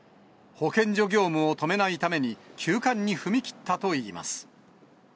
保健所業務を止めないために、休館に踏み切ったといいます。